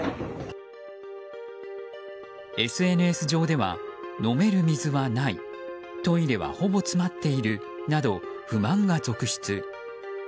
ＳＮＳ上では、飲める水はないトイレはほぼ詰まっているなど不満が続出。